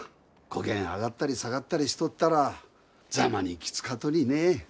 こげん上がったり下がったりしとったらざまにきつかとにね。